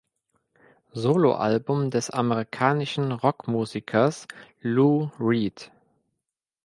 Soloalbum des amerikanischen Rockmusikers Lou Reed.